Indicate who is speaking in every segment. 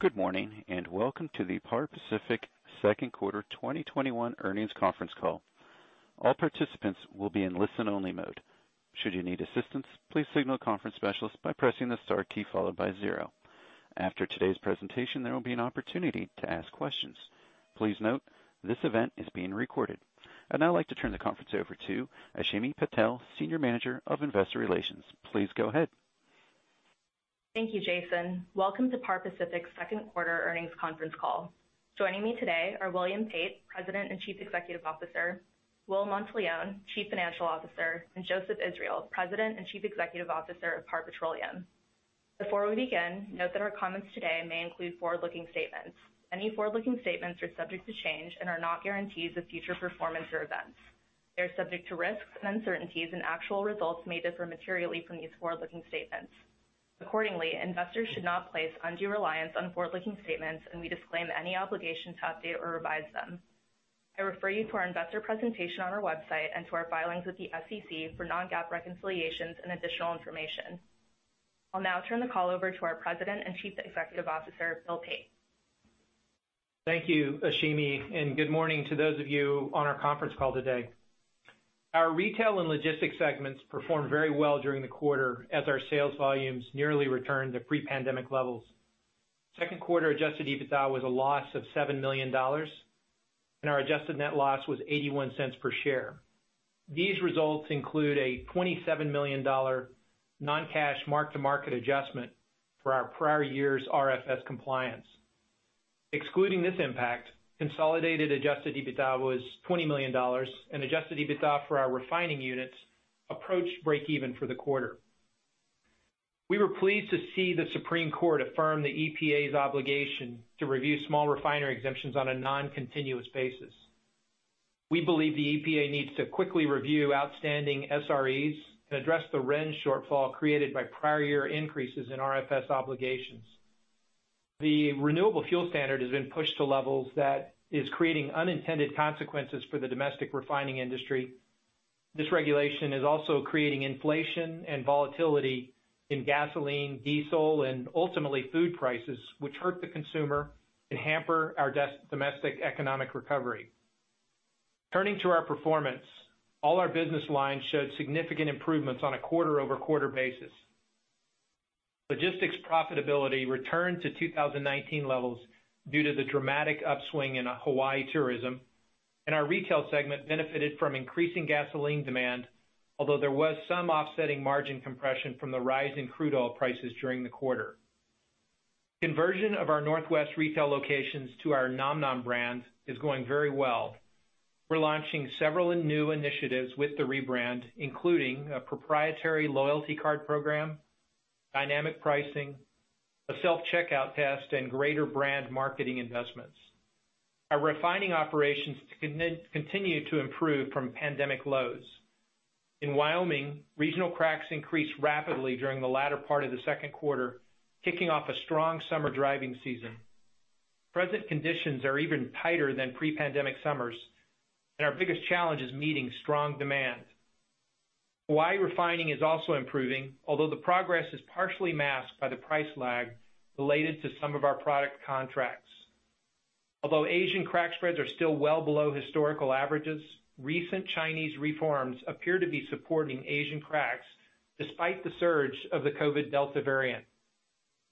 Speaker 1: Good morning and welcome to the Par Pacific Second Quarter 2021 Earnings Conference Call. All participants will be in listen-only mode. Should you need assistance, please signal the conference specialist by pressing the star key followed by zero. After today's presentation, there will be an opportunity to ask questions. Please note this event is being recorded. I'd now like to turn the conference over to Ashimi Patel, Senior Manager of Investor Relations. Please go ahead.
Speaker 2: Thank you, Jason. Welcome to Par Pacific Second Quarter Earnings Conference Call. Joining me today are William Pate, President and Chief Executive Officer; Will Monteleone, Chief Financial Officer; and Joseph Israel, President and Chief Executive Officer of Par Pacific. Before we begin, note that our comments today may include forward-looking statements. Any forward-looking statements are subject to change and are not guarantees of future performance or events. They are subject to risks and uncertainties, and actual results may differ materially from these forward-looking statements. Accordingly, investors should not place undue reliance on forward-looking statements, and we disclaim any obligation to update or revise them. I refer you to our investor presentation on our website and to our filings with the SEC for non-GAAP reconciliations and additional information. I'll now turn the call over to our President and Chief Executive Officer, Bill Pate.
Speaker 3: Thank you, Ashimi, and good morning to those of you on our conference call today. Our retail and logistics segments performed very well during the quarter as our sales volumes nearly returned to pre-pandemic levels. Second quarter adjusted EBITDA was a loss of $7 million, and our adjusted net loss was $0.81 per share. These results include a $27 million non-cash mark-to-market adjustment for our prior year's RFS compliance. Excluding this impact, consolidated adjusted EBITDA was $20 million, and adjusted EBITDA for our refining units approached break-even for the quarter. We were pleased to see the Supreme Court affirm the EPA's obligation to review small refinery exemptions on a non-continuous basis. We believe the EPA needs to quickly review outstanding SREs and address the RIN shortfall created by prior year increases in RFS obligations. The renewable fuel standard has been pushed to levels that are creating unintended consequences for the domestic refining industry. This regulation is also creating inflation and volatility in gasoline, diesel, and ultimately food prices, which hurt the consumer and hamper our domestic economic recovery. Turning to our performance, all our business lines showed significant improvements on a quarter-over-quarter basis. Logistics profitability returned to 2019 levels due to the dramatic upswing in Hawaii tourism, and our retail segment benefited from increasing gasoline demand, although there was some offsetting margin compression from the rise in crude oil prices during the quarter. Conversion of our Northwest retail locations to our nomnom brand is going very well. We're launching several new initiatives with the rebrand, including a proprietary loyalty card program, dynamic pricing, a self-checkout test, and greater brand marketing investments. Our refining operations continue to improve from pandemic lows. In Wyoming, regional cracks increased rapidly during the latter part of the second quarter, kicking off a strong summer driving season. Present conditions are even tighter than pre-pandemic summers, and our biggest challenge is meeting strong demand. Hawaii refining is also improving, although the progress is partially masked by the price lag related to some of our product contracts. Although Asian crack spreads are still well below historical averages, recent Chinese reforms appear to be supporting Asian cracks despite the surge of the COVID Delta variant.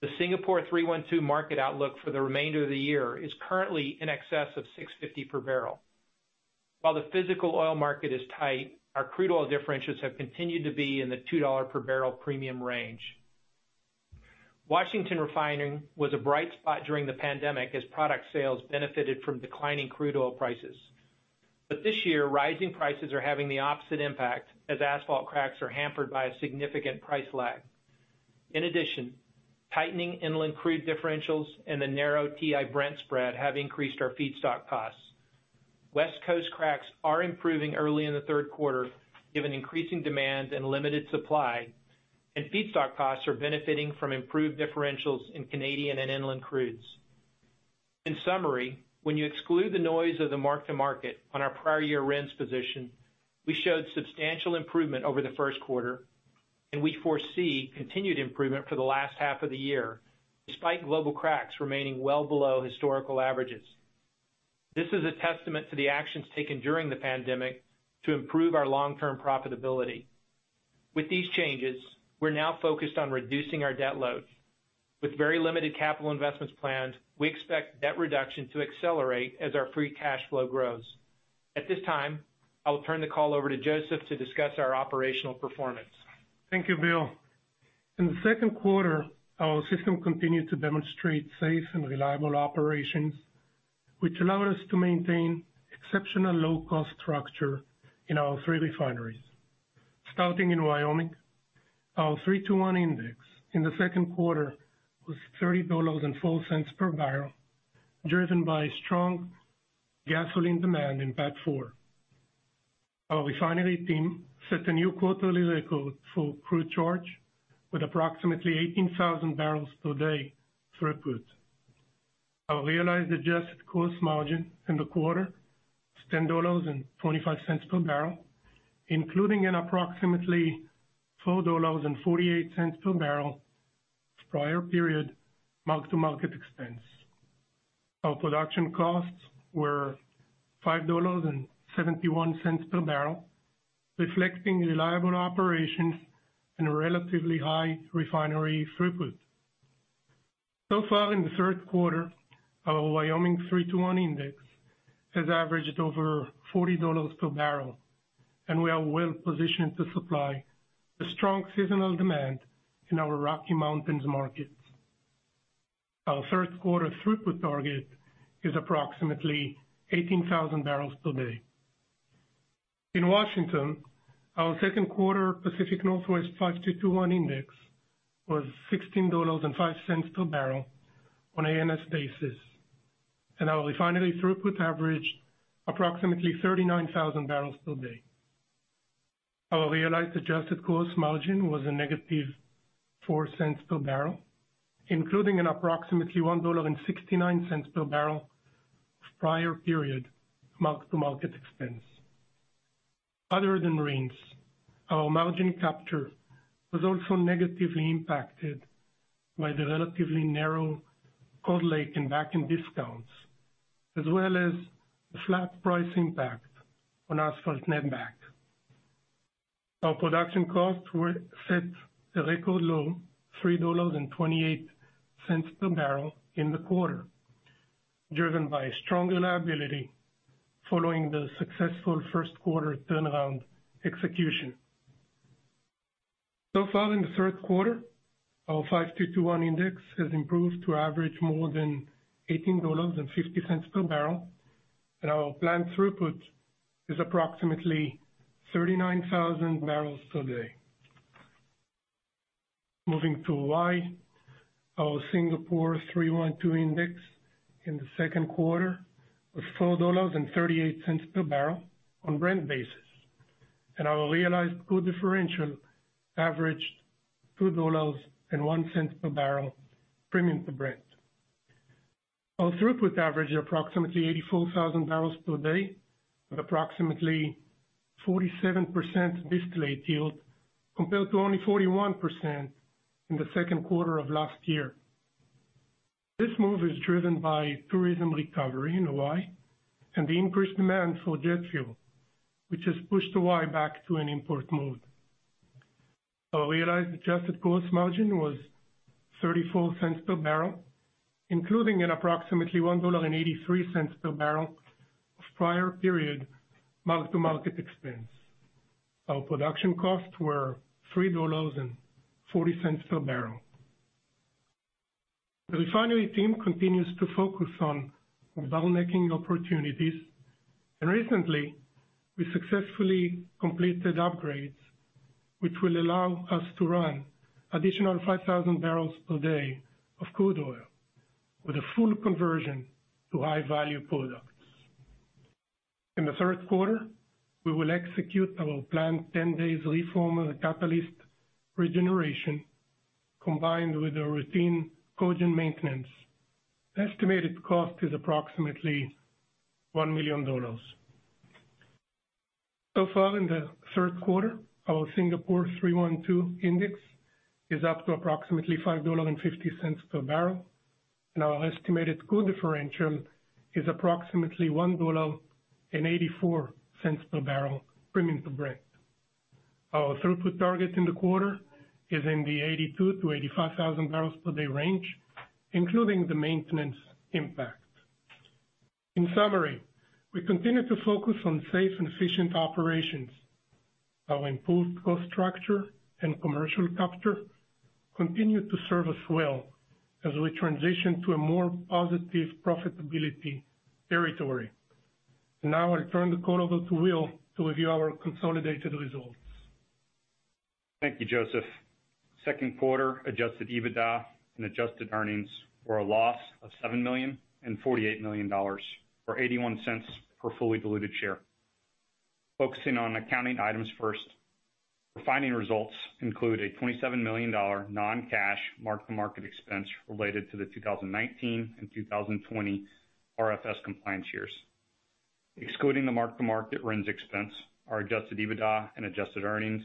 Speaker 3: The Singapore 312 market outlook for the remainder of the year is currently in excess of $6.50 per barrel. While the physical oil market is tight, our crude oil differentials have continued to be in the $2 per barrel premium range. Washington refining was a bright spot during the pandemic as product sales benefited from declining crude oil prices. This year, rising prices are having the opposite impact as asphalt cracks are hampered by a significant price lag. In addition, tightening inland crude differentials and the narrow TI Brent spread have increased our feedstock costs. West Coast cracks are improving early in the third quarter given increasing demand and limited supply, and feedstock costs are benefiting from improved differentials in Canadian and inland crudes. In summary, when you exclude the noise of the mark-to-market on our prior year RINs position, we showed substantial improvement over the first quarter, and we foresee continued improvement for the last half of the year despite global cracks remaining well below historical averages. This is a testament to the actions taken during the pandemic to improve our long-term profitability. With these changes, we're now focused on reducing our debt load. With very limited capital investments planned, we expect debt reduction to accelerate as our free cash flow grows. At this time, I will turn the call over to Joseph to discuss our operational performance.
Speaker 4: Thank you, Bill. In the second quarter, our system continued to demonstrate safe and reliable operations, which allowed us to maintain exceptional low-cost structure in our three refineries. Starting in Wyoming, our 3-2-1 index in the second quarter was $30.04 per barrel, driven by strong gasoline demand in part four. Our refinery team set a new quarterly record for crude charge with approximately 18,000 barrels per day throughput. Our realized adjusted cost margin in the quarter was $10.25 per barrel, including an approximately $4.48 per barrel prior period mark-to-market expense. Our production costs were $5.71 per barrel, reflecting reliable operations and relatively high refinery throughput. So far in the third quarter, our Wyoming 3-2-1 index has averaged over $40 per barrel, and we are well positioned to supply the strong seasonal demand in our Rocky Mountains markets. Our third quarter throughput target is approximately 18,000 barrels per day. In Washington, our second quarter Pacific Northwest 5-2-2-1 index was $16.05 per barrel on an ANS basis, and our refinery throughput averaged approximately 39,000 barrels per day. Our realized adjusted cost margin was a negative $0.04 per barrel, including an approximately $1.69 per barrel prior period mark-to-market expense. Other than RINs, our margin capture was also negatively impacted by the relatively narrow Cold Lake and Bakken discounts, as well as the flat price impact on asphalt net back. Our production costs set a record low of $3.28 per barrel in the quarter, driven by strong reliability following the successful first quarter turnaround execution. So far in the third quarter, our 5-2-2-1 index has improved to average more than $18.50 per barrel, and our planned throughput is approximately 39,000 barrels per day. Moving to Hawaii, our Singapore 312 index in the second quarter was $4.38 per barrel on a Brent basis, and our realized crude differential averaged $2.01 per barrel premium to Brent. Our throughput averaged approximately 84,000 barrels per day with approximately 47% distillate yield compared to only 41% in the second quarter of last year. This move is driven by tourism recovery in Hawaii and the increased demand for jet fuel, which has pushed Hawaii back to an import mode. Our realized adjusted cost margin was $0.34 per barrel, including an approximately $1.83 per barrel of prior period mark-to-market expense. Our production costs were $3.40 per barrel. The refinery team continues to focus on bottlenecking opportunities, and recently we successfully completed upgrades, which will allow us to run additional 5,000 barrels per day of crude oil with a full conversion to high-value products. In the third quarter, we will execute our planned 10 days reform of the catalyst regeneration combined with our routine cogen maintenance. Estimated cost is approximately $1 million. So far in the third quarter, our Singapore 312 index is up to approximately $5.50 per barrel, and our estimated crude differential is approximately $1.84 per barrel premium to Brent. Our throughput target in the quarter is in the 82,000-85,000 barrels per day range, including the maintenance impact. In summary, we continue to focus on safe and efficient operations. Our improved cost structure and commercial capture continue to serve us well as we transition to a more positive profitability territory. Now I'll turn the call over to Will to review our consolidated results.
Speaker 5: Thank you, Joseph. Second quarter adjusted EBITDA and adjusted earnings were a loss of $7 million and $48 million or $0.81 per fully diluted share. Focusing on accounting items first, refining results include a $27 million non-cash mark-to-market expense related to the 2019 and 2020 RFS compliance years. Excluding the mark-to-market RINs expense, our adjusted EBITDA and adjusted earnings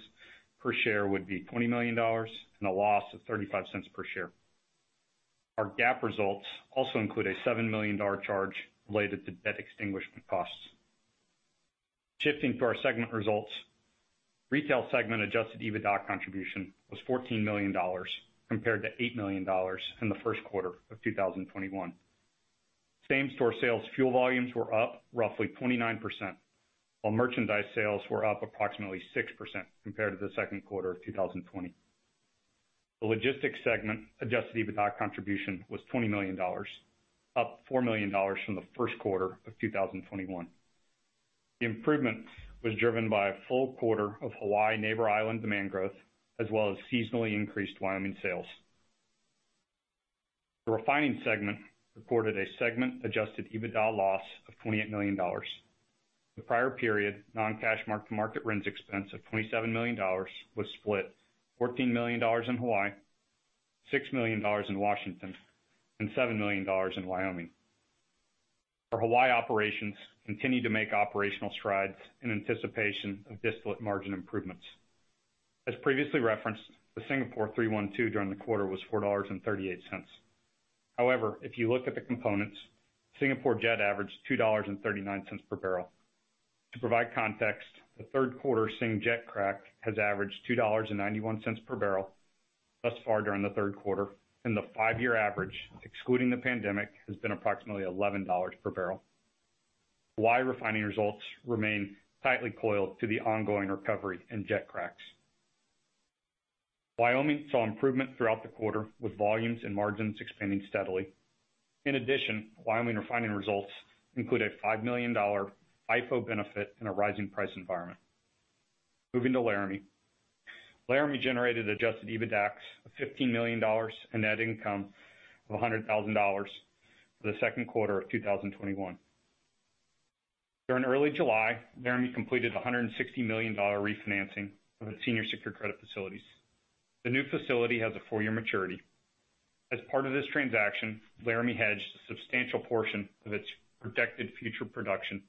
Speaker 5: per share would be $20 million and a loss of $0.35 per share. Our GAAP results also include a $7 million charge related to debt extinguishment costs. Shifting to our segment results, retail segment adjusted EBITDA contribution was $14 million compared to $8 million in the first quarter of 2021. Same-store sales fuel volumes were up roughly 29%, while merchandise sales were up approximately 6% compared to the second quarter of 2020. The logistics segment adjusted EBITDA contribution was $20 million, up $4 million from the first quarter of 2021. The improvement was driven by a full quarter of Hawaii neighbor island demand growth, as well as seasonally increased Wyoming sales. The refining segment recorded a segment adjusted EBITDA loss of $28 million. The prior period non-cash mark-to-market RINs expense of $27 million was split $14 million in Hawaii, $6 million in Washington, and $7 million in Wyoming. Our Hawaii operations continue to make operational strides in anticipation of distillate margin improvements. As previously referenced, the Singapore 312 during the quarter was $4.38. However, if you look at the components, Singapore jet averaged $2.39 per barrel. To provide context, the third quarter Singapore jet crack has averaged $2.91 per barrel thus far during the third quarter, and the five-year average, excluding the pandemic, has been approximately $11 per barrel. Hawaii refining results remain tightly coiled to the ongoing recovery and jet cracks. Wyoming saw improvement throughout the quarter with volumes and margins expanding steadily. In addition, Wyoming refining results include a $5 million FIFO benefit in a rising price environment. Moving to Laramie. Laramie generated adjusted EBITDA of $15 million and net income of $100,000 for the second quarter of 2021. During early July, Laramie completed $160 million refinancing of its senior secure credit facilities. The new facility has a four-year maturity. As part of this transaction, Laramie hedged a substantial portion of its projected future production,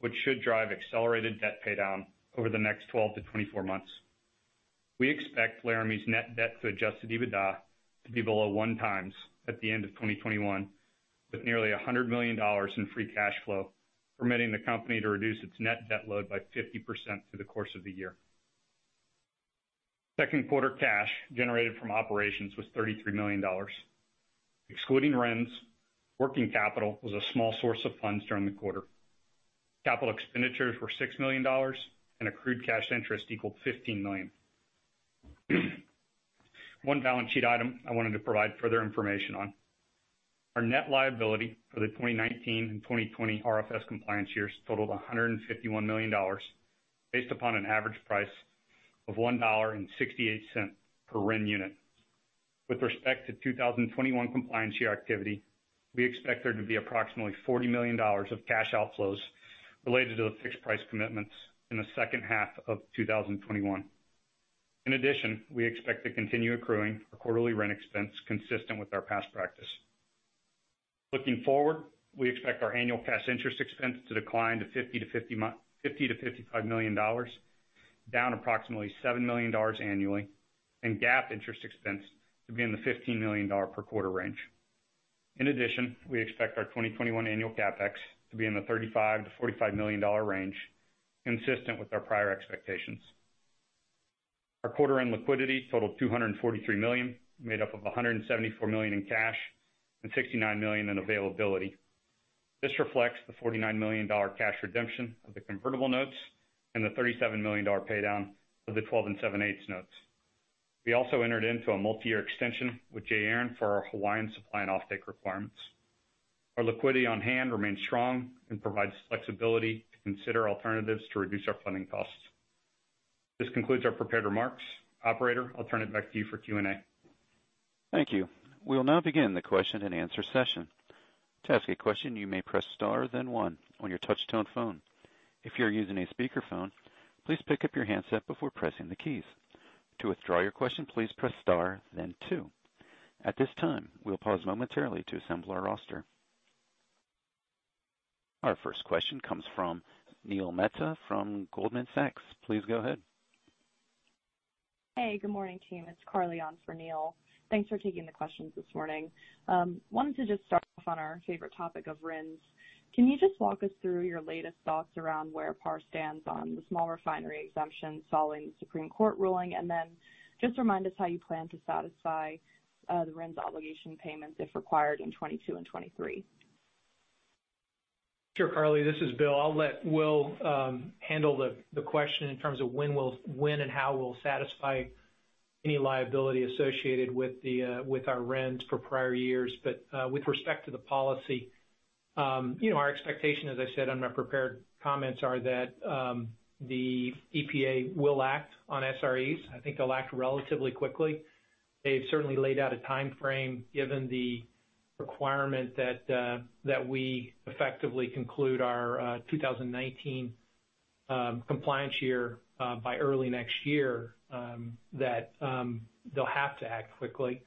Speaker 5: which should drive accelerated debt paydown over the next 12-24 months. We expect Laramie's net debt to adjusted EBITDA to be below one times at the end of 2021, with nearly $100 million in free cash flow permitting the company to reduce its net debt load by 50% through the course of the year. Second quarter cash generated from operations was $33 million. Excluding RINs, working capital was a small source of funds during the quarter. Capital expenditures were $6 million, and accrued cash interest equaled $15 million. One balance sheet item I wanted to provide further information on. Our net liability for the 2019 and 2020 RFS compliance years totaled $151 million based upon an average price of $1.68 per RIN unit. With respect to 2021 compliance year activity, we expect there to be approximately $40 million of cash outflows related to the fixed price commitments in the second half of 2021. In addition, we expect to continue accruing our quarterly RIN expense consistent with our past practice. Looking forward, we expect our annual cash interest expense to decline to $50-$55 million, down approximately $7 million annually, and GAAP interest expense to be in the $15 million per quarter range. In addition, we expect our 2021 annual CapEx to be in the $35-$45 million range, consistent with our prior expectations. Our quarter-end liquidity totaled $243 million, made up of $174 million in cash and $69 million in availability. This reflects the $49 million cash redemption of the convertible notes and the $37 million paydown of the 12 and 7/8 notes. We also entered into a multi-year extension with J. Aron for our Hawaiian supply and offtake requirements. Our liquidity on hand remains strong and provides flexibility to consider alternatives to reduce our funding costs. This concludes our prepared remarks. Operator, I'll turn it back to you for Q&A.
Speaker 1: Thank you. We will now begin the question-and-answer session. To ask a question, you may press star then one on your touch-tone phone. If you're using a speakerphone, please pick up your handset before pressing the keys. To withdraw your question, please press star then two. At this time, we'll pause momentarily to assemble our roster. Our first question comes from Neil Mehta from Goldman Sachs. Please go ahead.
Speaker 6: Hey, good morning, team. It's Carly on for Neil. Thanks for taking the questions this morning. I wanted to just start off on our favorite topic of RINs. Can you just walk us through your latest thoughts around where Par stands on the small refinery exemption following the Supreme Court ruling, and then just remind us how you plan to satisfy the RINs obligation payments if required in 2022 and 2023?
Speaker 3: Sure, Carly. This is Bill. I'll let Will handle the question in terms of when and how we'll satisfy any liability associated with our RINs for prior years. With respect to the policy, our expectation, as I said on my prepared comments, is that the EPA will act on SREs. I think they'll act relatively quickly. They've certainly laid out a timeframe given the requirement that we effectively conclude our 2019 compliance year by early next year, that they'll have to act quickly.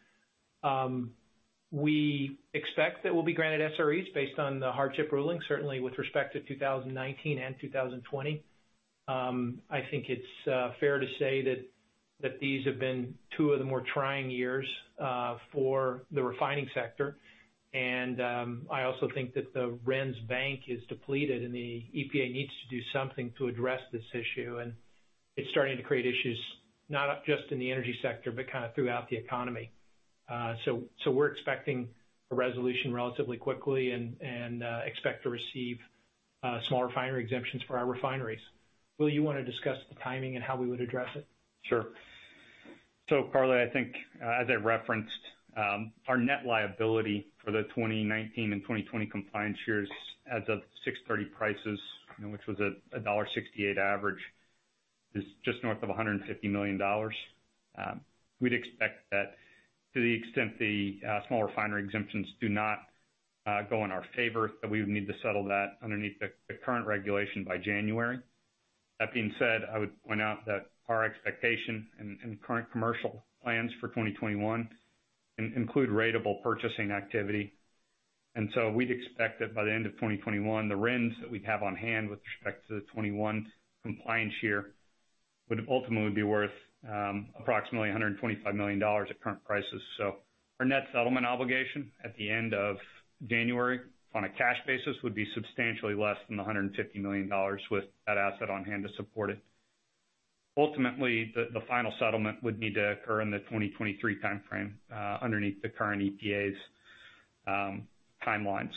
Speaker 3: We expect that we'll be granted SREs based on the hardship ruling, certainly with respect to 2019 and 2020. I think it's fair to say that these have been two of the more trying years for the refining sector. I also think that the RINs bank is depleted, and the EPA needs to do something to address this issue. It is starting to create issues not just in the energy sector, but kind of throughout the economy. We are expecting a resolution relatively quickly and expect to receive small refinery exemptions for our refineries. Will, you want to discuss the timing and how we would address it?
Speaker 5: Sure. Carly, I think, as I referenced, our net liability for the 2019 and 2020 compliance years as of 06/30 prices, which was a $1.68 average, is just north of $150 million. We'd expect that to the extent the small refinery exemptions do not go in our favor, we would need to settle that underneath the current regulation by January. That being said, I would point out that our expectation and current commercial plans for 2021 include ratable purchasing activity. We'd expect that by the end of 2021, the RINs that we'd have on hand with respect to the 2021 compliance year would ultimately be worth approximately $125 million at current prices. Our net settlement obligation at the end of January on a cash basis would be substantially less than the $150 million with that asset on hand to support it. Ultimately, the final settlement would need to occur in the 2023 timeframe underneath the current EPA's timelines,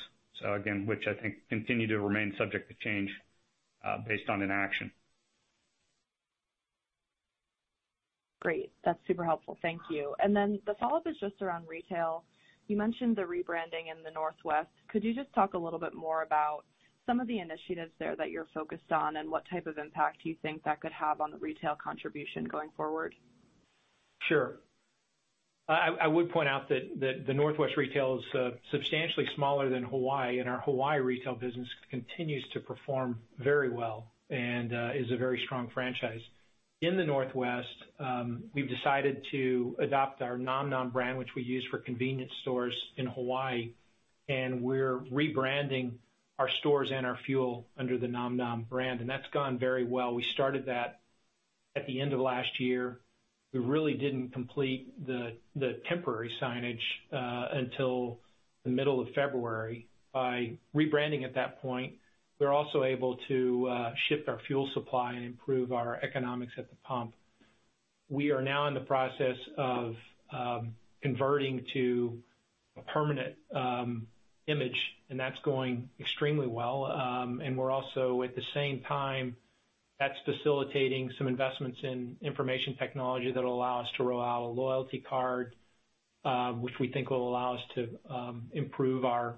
Speaker 5: which I think continue to remain subject to change based on inaction.
Speaker 7: Great. That's super helpful. Thank you. The follow-up is just around retail. You mentioned the rebranding in the Northwest. Could you just talk a little bit more about some of the initiatives there that you're focused on and what type of impact you think that could have on the retail contribution going forward?
Speaker 3: Sure. I would point out that the Northwest retail is substantially smaller than Hawaii, and our Hawaii retail business continues to perform very well and is a very strong franchise. In the Northwest, we've decided to adopt our nomnom brand, which we use for convenience stores in Hawaii, and we're rebranding our stores and our fuel under the nomnom brand. That has gone very well. We started that at the end of last year. We really did not complete the temporary signage until the middle of February. By rebranding at that point, we were also able to shift our fuel supply and improve our economics at the pump. We are now in the process of converting to a permanent image, and that is going extremely well. We are also, at the same time, facilitating some investments in information technology that will allow us to roll out a loyalty card, which we think will allow us to improve our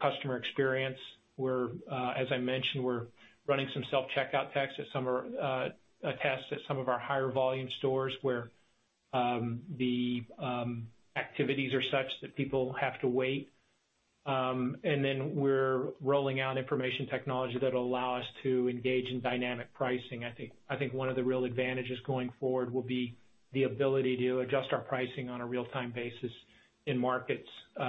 Speaker 3: customer experience. As I mentioned, we are running some self-checkout tests at some of our higher volume stores where the activities are such that people have to wait. We are rolling out information technology that will allow us to engage in dynamic pricing. I think one of the real advantages going forward will be the ability to adjust our pricing on a real-time basis in markets. It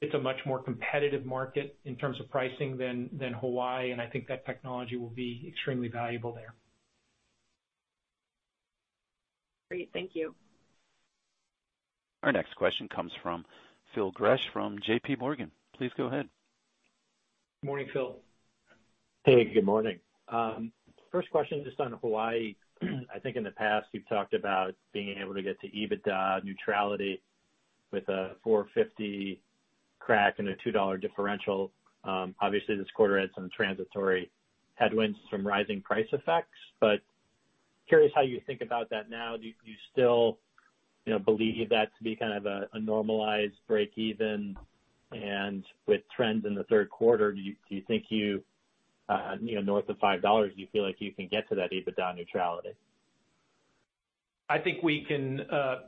Speaker 3: is a much more competitive market in terms of pricing than Hawaii, and I think that technology will be extremely valuable there.
Speaker 6: Great. Thank you.
Speaker 1: Our next question comes from Phil Gresh from J.P. Morgan. Please go ahead.
Speaker 3: Good morning, Phil.
Speaker 8: Hey, good morning. First question just on Hawaii. I think in the past you've talked about being able to get to EBITDA neutrality with a $4.50 crack and a $2 differential. Obviously, this quarter had some transitory headwinds from rising price effects, but curious how you think about that now. Do you still believe that to be kind of a normalized break-even? With trends in the third quarter, do you think you, north of $5, do you feel like you can get to that EBITDA neutrality?
Speaker 3: I think we can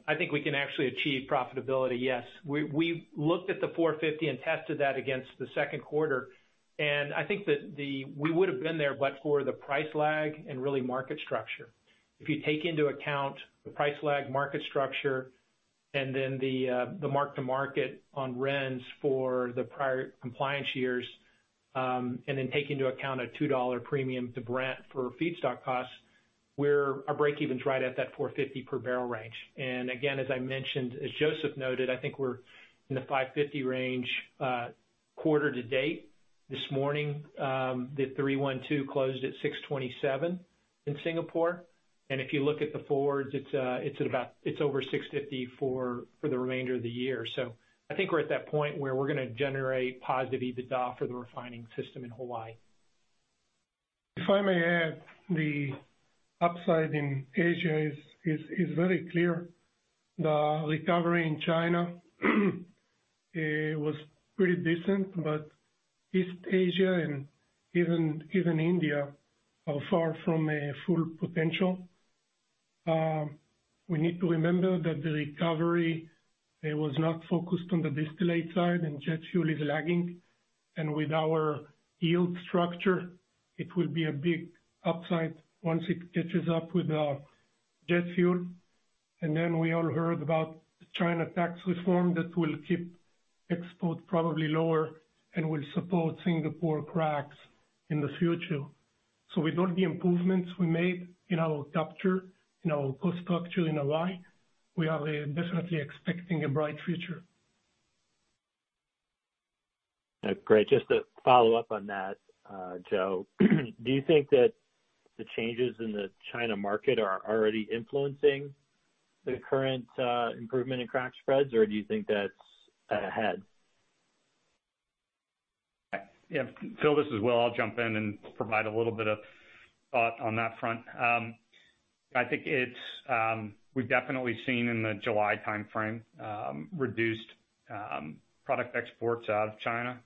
Speaker 3: actually achieve profitability, yes. We looked at the $4.50 and tested that against the second quarter. I think that we would have been there, but for the price lag and really market structure. If you take into account the price lag, market structure, and then the mark-to-market on RINs for the prior compliance years, and then take into account a $2 premium to Brent for feedstock costs, our break-even's right at that $4.50 per barrel range. Again, as I mentioned, as Joseph noted, I think we're in the $5.50 range quarter to date. This morning, the 312 closed at $6.27 in Singapore. If you look at the forwards, it's over $6.50 for the remainder of the year. I think we're at that point where we're going to generate positive EBITDA for the refining system in Hawaii.
Speaker 4: If I may add, the upside in Asia is very clear. The recovery in China was pretty decent, but East Asia and even India are far from full potential. We need to remember that the recovery was not focused on the distillate side, and jet fuel is lagging. With our yield structure, it will be a big upside once it catches up with jet fuel. We all heard about China tax reform that will keep exports probably lower and will support Singapore cracks in the future. With all the improvements we made in our capture, in our cost structure in Hawaii, we are definitely expecting a bright future.
Speaker 8: Great. Just to follow up on that, Joe, do you think that the changes in the China market are already influencing the current improvement in crack spreads, or do you think that's ahead?
Speaker 5: Yeah. Phil, this is Will. I'll jump in and provide a little bit of thought on that front. I think we've definitely seen in the July timeframe reduced product exports out of China,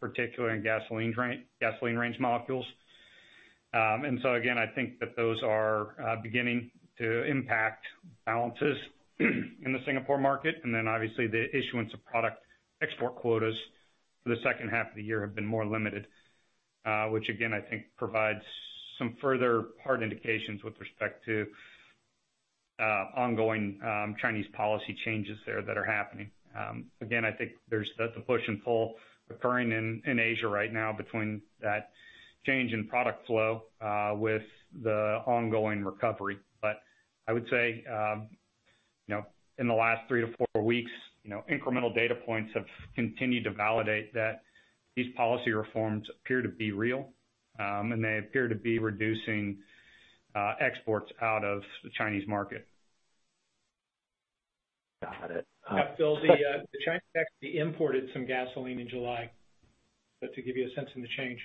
Speaker 5: particularly in gasoline range molecules. I think that those are beginning to impact balances in the Singapore market. Obviously, the issuance of product export quotas for the second half of the year have been more limited, which I think provides some further hard indications with respect to ongoing Chinese policy changes there that are happening. I think there's the push and pull occurring in Asia right now between that change in product flow with the ongoing recovery. I would say in the last three to four weeks, incremental data points have continued to validate that these policy reforms appear to be real, and they appear to be reducing exports out of the Chinese market.
Speaker 8: Got it.
Speaker 3: Phil, China actually imported some gasoline in July to give you a sense of the change.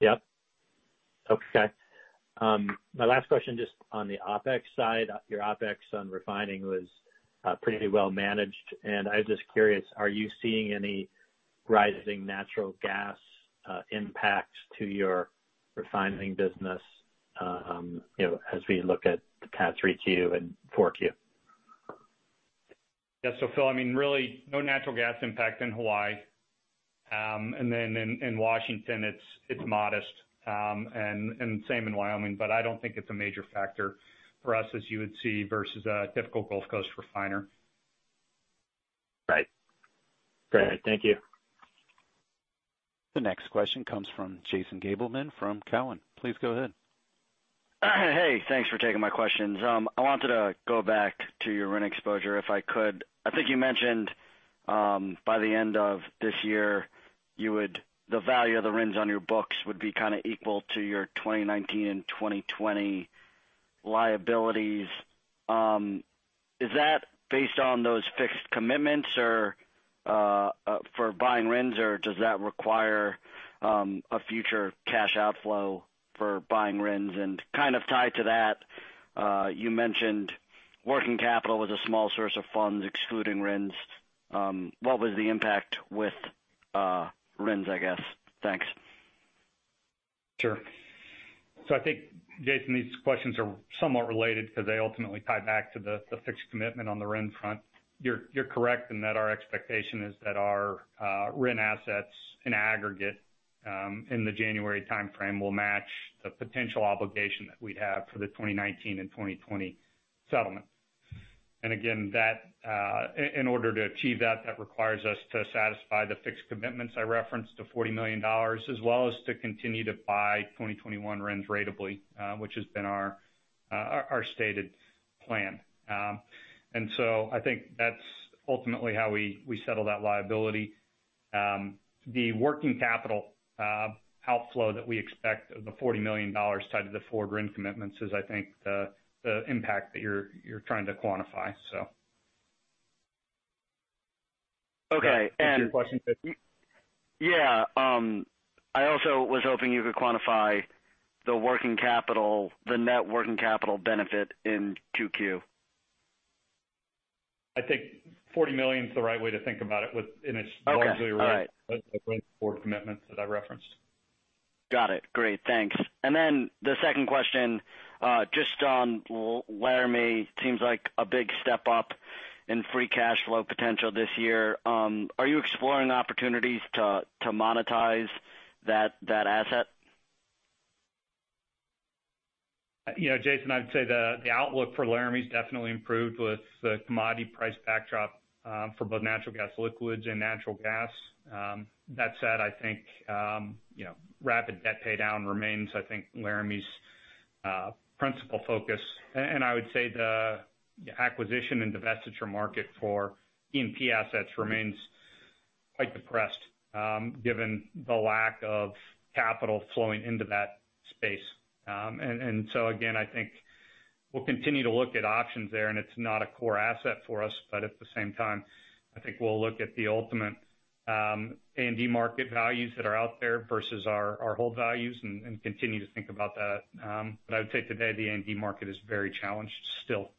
Speaker 8: Yep. Okay. My last question just on the OpEx side. Your OpEx on refining was pretty well managed. And I'm just curious, are you seeing any rising natural gas impacts to your refining business as we look at the past 3Q and 4Q?
Speaker 5: Yeah. So Phil, I mean, really no natural gas impact in Hawaii. And then in Washington, it's modest, and same in Wyoming. I don't think it's a major factor for us, as you would see, versus a typical Gulf Coast refiner.
Speaker 8: Right. Great. Thank you.
Speaker 1: The next question comes from Jason Gabelman from Cowen. Please go ahead.
Speaker 9: Hey, thanks for taking my questions. I wanted to go back to your RIN exposure, if I could. I think you mentioned by the end of this year, the value of the RINs on your books would be kind of equal to your 2019 and 2020 liabilities. Is that based on those fixed commitments for buying RINs, or does that require a future cash outflow for buying RINs? Kind of tied to that, you mentioned working capital was a small source of funds excluding RINs. What was the impact with RINs, I guess? Thanks.
Speaker 5: Sure. I think, Jason, these questions are somewhat related because they ultimately tie back to the fixed commitment on the RIN front. You're correct in that our expectation is that our RIN assets in aggregate in the January timeframe will match the potential obligation that we'd have for the 2019 and 2020 settlement. Again, in order to achieve that, that requires us to satisfy the fixed commitments I referenced to $40 million, as well as to continue to buy 2021 RINs ratably, which has been our stated plan. I think that's ultimately how we settle that liability. The working capital outflow that we expect of the $40 million tied to the forward RIN commitments is, I think, the impact that you're trying to quantify.
Speaker 4: Okay. And.
Speaker 5: That's your question, [Jason?]
Speaker 9: Yeah. I also was hoping you could quantify the working capital, the net working capital benefit in 2Q.
Speaker 5: I think $40 million is the right way to think about it and it is largely related to the forward commitments that I referenced.
Speaker 9: Got it. Great. Thanks. The second question, just on Laramie, seems like a big step up in free cash flow potential this year. Are you exploring opportunities to monetize that asset?
Speaker 5: Jason, I'd say the outlook for Laramie has definitely improved with the commodity price backdrop for both natural gas liquids and natural gas. That said, I think rapid debt paydown remains, I think, Laramie's principal focus. I would say the acquisition and divestiture market for E&P assets remains quite depressed given the lack of capital flowing into that space. I think we'll continue to look at options there, and it's not a core asset for us. At the same time, I think we'll look at the ultimate A&D market values that are out there versus our hold values and continue to think about that. I would say today the A&D market is very challenged still.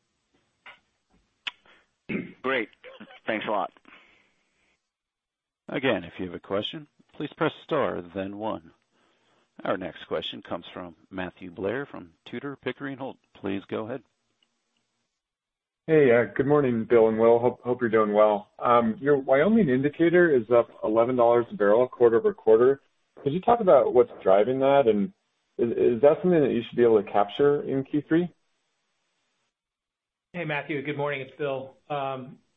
Speaker 9: Great. Thanks a lot.
Speaker 1: Again, if you have a question, please press star then one. Our next question comes from Matthew Blair from Tudor Pickering Holt. Please go ahead.
Speaker 10: Hey, good morning, Bill and Will. Hope you're doing well. Your Wyoming indicator is up $11 a barrel quarter over quarter. Could you talk about what's driving that, and is that something that you should be able to capture in Q3?
Speaker 3: Hey, Matthew. Good morning. It's Bill.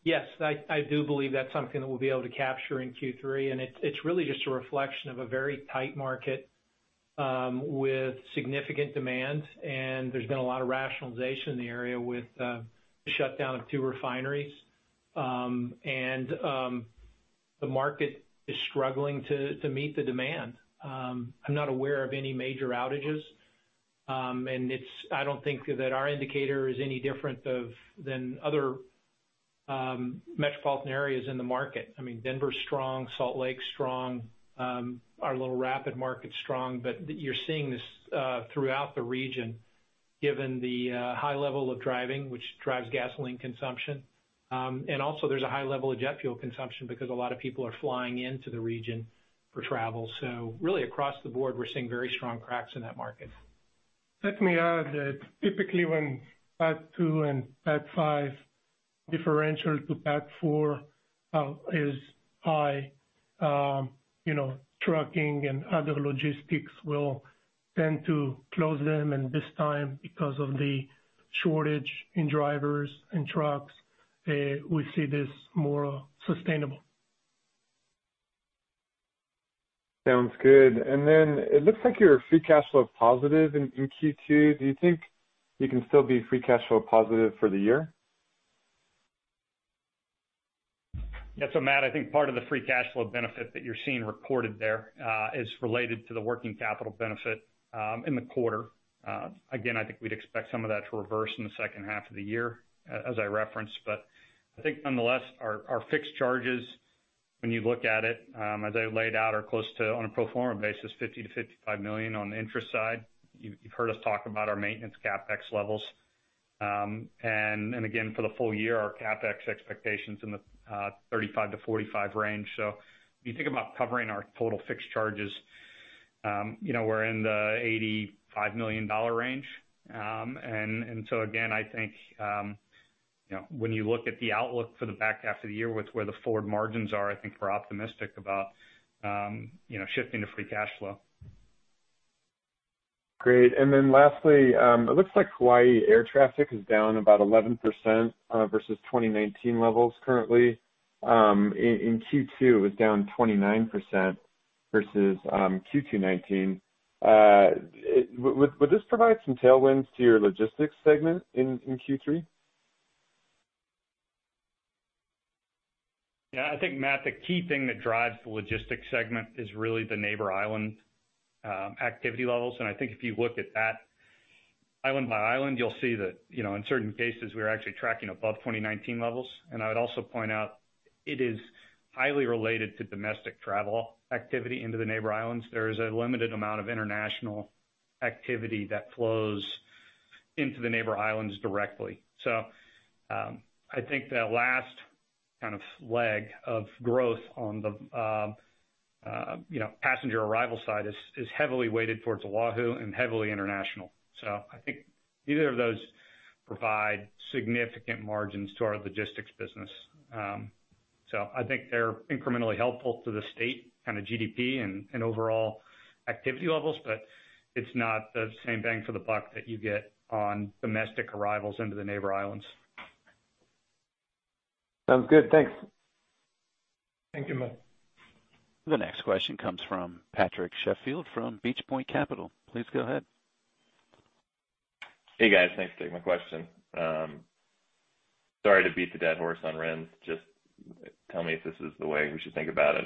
Speaker 3: Yes, I do believe that's something that we'll be able to capture in Q3. It's really just a reflection of a very tight market with significant demand. There's been a lot of rationalization in the area with the shutdown of two refineries. The market is struggling to meet the demand. I'm not aware of any major outages. I don't think that our indicator is any different than other metropolitan areas in the market. I mean, Denver's strong, Salt Lake's strong, our little Rapid market's strong. You're seeing this throughout the region given the high level of driving, which drives gasoline consumption. Also, there's a high level of jet fuel consumption because a lot of people are flying into the region for travel. Really, across the board, we're seeing very strong cracks in that market.
Speaker 4: Let me add that typically when PADD 2 and PADD 5 differential to PADD 4 is high, trucking and other logistics will tend to close them. This time, because of the shortage in drivers and trucks, we see this more sustainable.
Speaker 10: Sounds good. It looks like your free cash flow is positive in Q2. Do you think you can still be free cash flow positive for the year?
Speaker 5: Yeah. Matt, I think part of the free cash flow benefit that you're seeing reported there is related to the working capital benefit in the quarter. Again, I think we'd expect some of that to reverse in the second half of the year, as I referenced. I think nonetheless, our fixed charges, when you look at it, as I laid out, are close to, on a pro forma basis, $50 million-$55 million on the interest side. You've heard us talk about our maintenance CapEx levels. Again, for the full year, our CapEx expectations in the $35 million-$45 million range. When you think about covering our total fixed charges, we're in the $85 million range. I think when you look at the outlook for the back half of the year with where the forward margins are, I think we're optimistic about shifting to free cash flow.
Speaker 10: Great. Lastly, it looks like Hawaii air traffic is down about 11% versus 2019 levels currently. In Q2, it was down 29% versus Q2 2019. Would this provide some tailwinds to your logistics segment in Q3?
Speaker 3: Yeah. I think, Matt, the key thing that drives the logistics segment is really the neighbor island activity levels. I think if you look at that island by island, you'll see that in certain cases, we're actually tracking above 2019 levels. I would also point out it is highly related to domestic travel activity into the neighbor islands. There is a limited amount of international activity that flows into the neighbor islands directly. I think the last kind of leg of growth on the passenger arrival side is heavily weighted towards Oahu and heavily international. I think neither of those provide significant margins to our logistics business. I think they're incrementally helpful to the state kind of GDP and overall activity levels, but it's not the same bang for the buck that you get on domestic arrivals into the neighbor islands.
Speaker 10: Sounds good. Thanks.
Speaker 3: Thank you, Matt.
Speaker 1: The next question comes from Patrick Sheffield from Beach Point Capital. Please go ahead.
Speaker 11: Hey, guys. Thanks for taking my question. Sorry to beat the dead horse on RINs. Just tell me if this is the way we should think about it.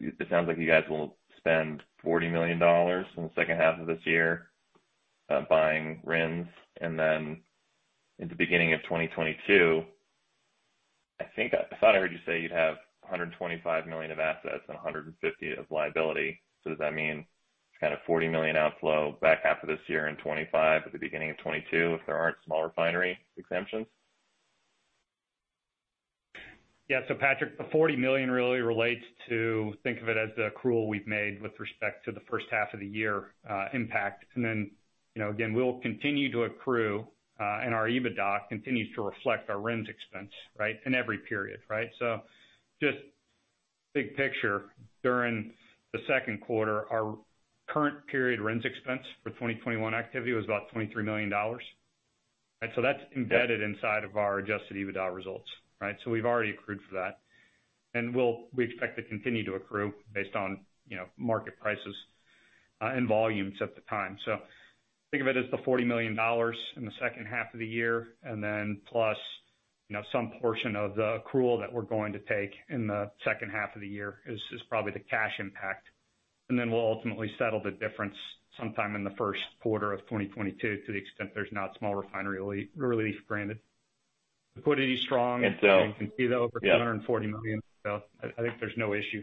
Speaker 11: It sounds like you guys will spend $40 million in the second half of this year buying RINs. And then in the beginning of 2022, I thought I heard you say you'd have $125 million of assets and $150 million of liability. So does that mean kind of $40 million outflow back half of this year and $25 million at the beginning of 2022 if there aren't small refinery exemptions?
Speaker 5: Yeah. Patrick, the $40 million really relates to think of it as the accrual we've made with respect to the first half of the year impact. We'll continue to accrue, and our EBITDA continues to reflect our RINs expense, right, in every period, right? Just big picture, during the second quarter, our current period RINs expense for 2021 activity was about $23 million. That's embedded inside of our adjusted EBITDA results, right? We've already accrued for that. We expect to continue to accrue based on market prices and volumes at the time. Think of it as the $40 million in the second half of the year, and then plus some portion of the accrual that we're going to take in the second half of the year is probably the cash impact. We'll ultimately settle the difference sometime in the first quarter of 2022 to the extent there's not small refinery relief granted. Liquidity is strong.
Speaker 11: It's still.
Speaker 5: You can see the over $240 million. I think there's no issue.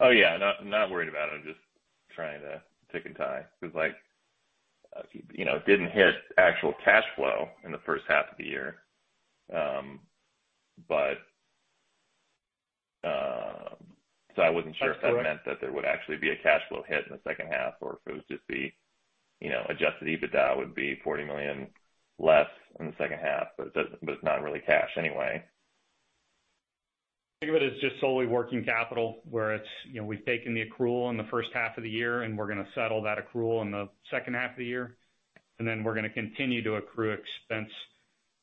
Speaker 11: Oh, yeah. Not worried about it. I'm just trying to tick and tie because it didn't hit actual cash flow in the first half of the year. I wasn't sure if that meant that there would actually be a cash flow hit in the second half or if it would just be adjusted EBITDA would be $40 million less in the second half, but it's not really cash anyway.
Speaker 5: Think of it as just solely working capital where we've taken the accrual in the first half of the year, and we're going to settle that accrual in the second half of the year. We're going to continue to accrue expense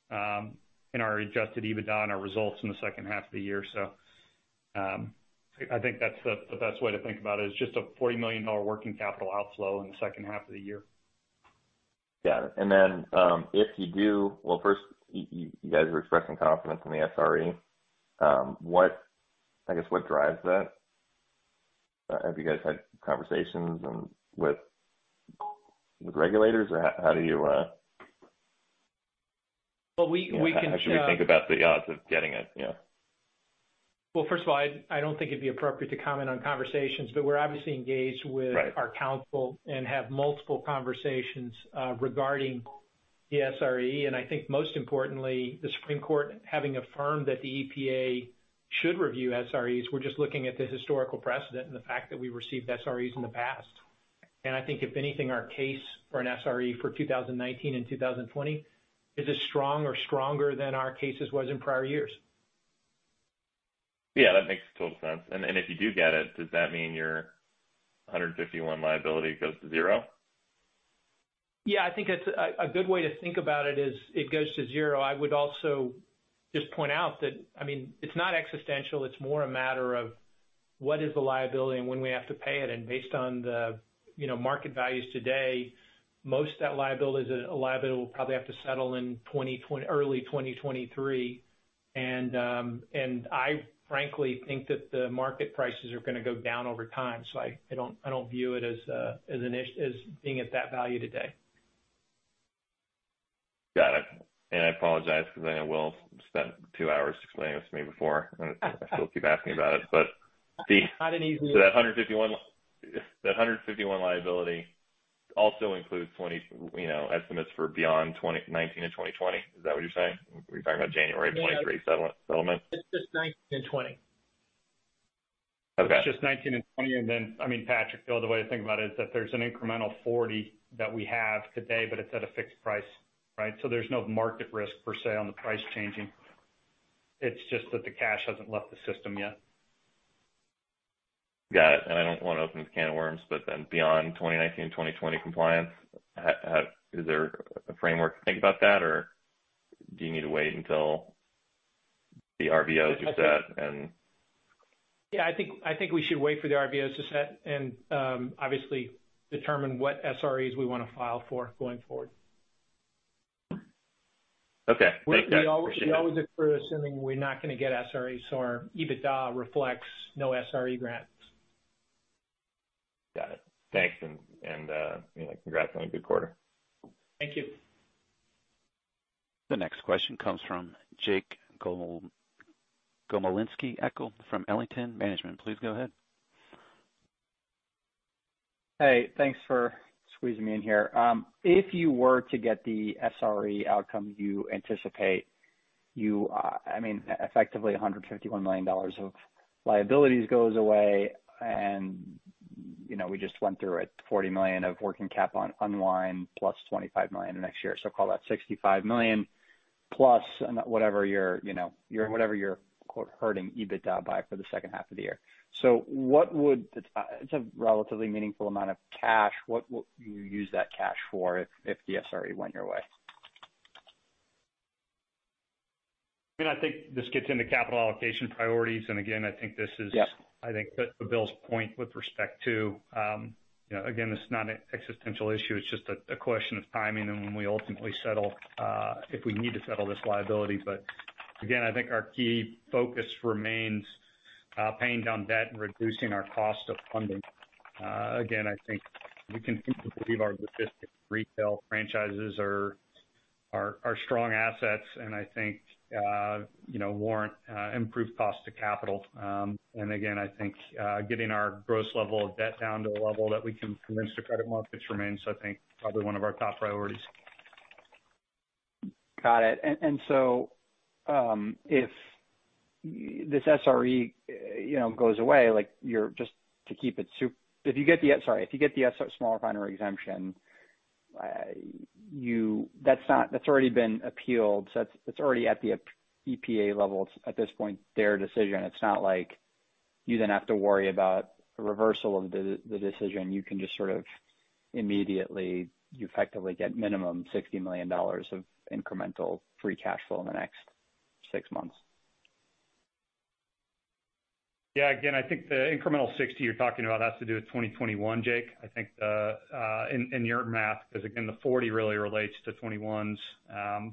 Speaker 5: in our adjusted EBITDA and our results in the second half of the year. I think that's the best way to think about it. It's just a $40 million working capital outflow in the second half of the year.
Speaker 11: Got it. If you do, first, you guys were expressing confidence in the SRE. I guess what drives that? Have you guys had conversations with regulators or how do you?
Speaker 3: We can share.
Speaker 11: Actually think about the odds of getting it. Yeah.
Speaker 3: First of all, I don't think it'd be appropriate to comment on conversations, but we're obviously engaged with our counsel and have multiple conversations regarding the SRE. I think most importantly, the Supreme Court having affirmed that the EPA should review SREs, we're just looking at the historical precedent and the fact that we've received SREs in the past. I think if anything, our case for an SRE for 2019 and 2020 is as strong or stronger than our cases was in prior years.
Speaker 11: Yeah. That makes total sense. If you do get it, does that mean your $151 liability goes to zero?
Speaker 3: Yeah. I think a good way to think about it is it goes to zero. I would also just point out that, I mean, it's not existential. It's more a matter of what is the liability and when we have to pay it. Based on the market values today, most of that liability will probably have to settle in early 2023. I frankly think that the market prices are going to go down over time. I don't view it as being at that value today.
Speaker 11: Got it. I apologize because I know Will spent two hours explaining this to me before, and I still keep asking about it. But the.
Speaker 3: Not an easy one.
Speaker 11: That 151 liability also includes estimates for beyond 2019 and 2020. Is that what you're saying? Are you talking about January 2023 settlement?
Speaker 3: It's just 2019 and 2020.
Speaker 11: Okay.
Speaker 5: It's just 2019 and 2020. I mean, Patrick, the other way to think about it is that there's an incremental 40 that we have today, but it's at a fixed price, right? There's no market risk per se on the price changing. It's just that the cash hasn't left the system yet.
Speaker 11: Got it. I do not want to open the can of worms, but then beyond 2019 and 2020 compliance, is there a framework to think about that, or do you need to wait until the RVOs are set?
Speaker 3: Yeah. I think we should wait for the RVOs to set and obviously determine what SREs we want to file for going forward.
Speaker 11: Okay.
Speaker 3: We always accrue assuming we're not going to get SREs, so our EBITDA reflects no SRE grants.
Speaker 11: Got it. Thanks. Congrats on a good quarter.
Speaker 3: Thank you.
Speaker 1: The next question comes from Jake Gomolinski-Ekel from Ellington Management. Please go ahead.
Speaker 12: Hey, thanks for squeezing me in here. If you were to get the SRE outcome you anticipate, I mean, effectively $151 million of liabilities goes away, and we just went through it, $40 million of working cap on unwind plus $25 million next year. Call that $65 million plus whatever you're hurting EBITDA by for the second half of the year. It is a relatively meaningful amount of cash. What would you use that cash for if the SRE went your way?
Speaker 5: I mean, I think this gets into capital allocation priorities. Again, I think this is, I think, to Bill's point with respect to, again, this is not an existential issue. It's just a question of timing and when we ultimately settle if we need to settle this liability. Again, I think our key focus remains paying down debt and reducing our cost of funding. Again, I think we continue to believe our logistics retail franchises are strong assets, and I think warrant improved cost of capital. Again, I think getting our gross level of debt down to a level that we can convince the credit markets remains I think probably one of our top priorities.
Speaker 12: Got it. If this SRE goes away, just to keep it, if you get the—sorry, if you get the small refinery exemption, that's already been appealed. It's already at the EPA level. It's at this point their decision. It's not like you then have to worry about a reversal of the decision. You can just sort of immediately effectively get minimum $60 million of incremental free cash flow in the next six months.
Speaker 5: Yeah. Again, I think the incremental 60 you're talking about has to do with 2021, Jake. I think in your math, because again, the 40 really relates to 2021's. I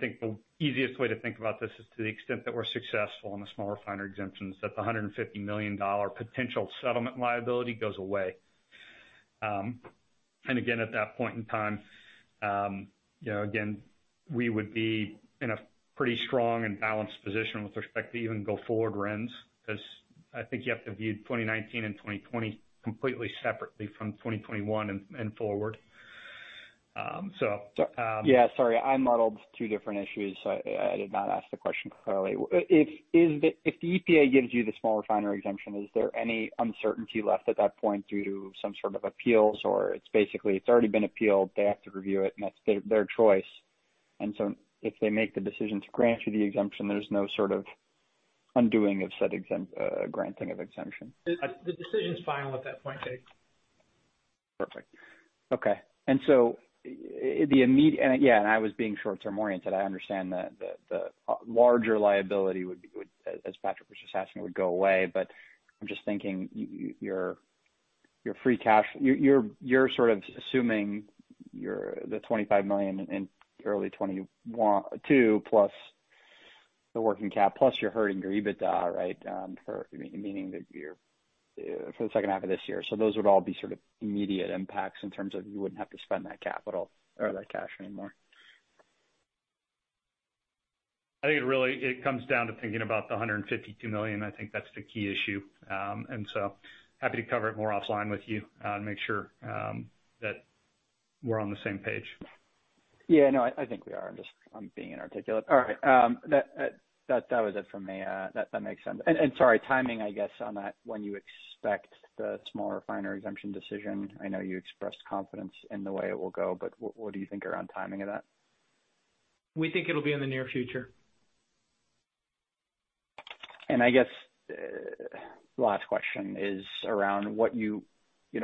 Speaker 5: think the easiest way to think about this is to the extent that we're successful in the small refinery exemptions, that the $150 million potential settlement liability goes away. Again, at that point in time, we would be in a pretty strong and balanced position with respect to even go forward RINs because I think you have to view 2019 and 2020 completely separately from 2021 and forward.
Speaker 12: Yeah. Sorry. I muddled two different issues. I did not ask the question clearly. If the EPA gives you the small refinery exemption, is there any uncertainty left at that point due to some sort of appeals or it's basically it's already been appealed, they have to review it, and that's their choice. If they make the decision to grant you the exemption, there's no sort of undoing of granting of exemption.
Speaker 3: The decision's final at that point, Jake.
Speaker 12: Perfect. Okay. The immediate—yeah, I was being short-term oriented. I understand that the larger liability, as Patrick was just asking, would go away. I am just thinking your free cash, you are sort of assuming the $25 million in early 2022 plus the working cap plus you are hurting your EBITDA, right, meaning that for the second half of this year. Those would all be sort of immediate impacts in terms of you would not have to spend that capital or that cash anymore.
Speaker 5: I think it really comes down to thinking about the $152 million. I think that's the key issue. Happy to cover it more offline with you to make sure that we're on the same page.
Speaker 12: Yeah. No, I think we are. I'm just being inarticulate. All right. That was it for me. That makes sense. Sorry, timing, I guess, on that, when you expect the small refinery exemption decision? I know you expressed confidence in the way it will go, but what do you think around timing of that?
Speaker 3: We think it'll be in the near future.
Speaker 12: I guess the last question is around what you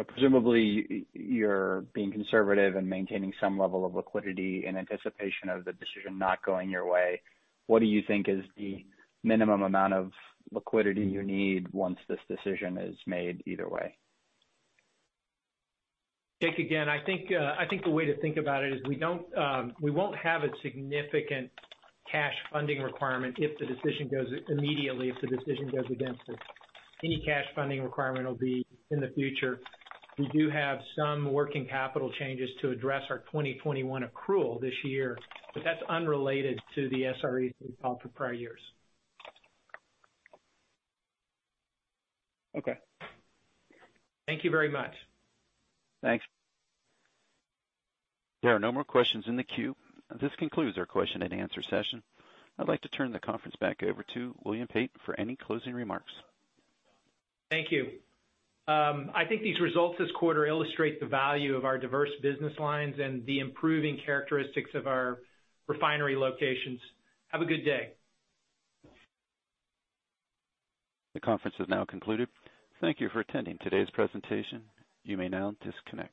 Speaker 12: presumably you're being conservative and maintaining some level of liquidity in anticipation of the decision not going your way. What do you think is the minimum amount of liquidity you need once this decision is made either way?
Speaker 3: Jake, again, I think the way to think about it is we won't have a significant cash funding requirement if the decision goes immediately, if the decision goes against us. Any cash funding requirement will be in the future. We do have some working capital changes to address our 2021 accrual this year, but that's unrelated to the SREs we've filed for prior years.
Speaker 12: Okay.
Speaker 3: Thank you very much.
Speaker 12: Thanks.
Speaker 1: There are no more questions in the queue. This concludes our question-and-answer session. I'd like to turn the conference back over to William Pate for any closing remarks.
Speaker 3: Thank you. I think these results this quarter illustrate the value of our diverse business lines and the improving characteristics of our refinery locations. Have a good day.
Speaker 1: The conference has now concluded. Thank you for attending today's presentation. You may now disconnect.